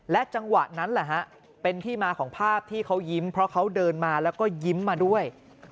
จังหวะนั้นแหละฮะเป็นที่มาของภาพที่เขายิ้มเพราะเขาเดินมาแล้วก็ยิ้มมาด้วย